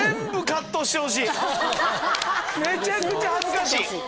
めちゃくちゃ恥ずかしい！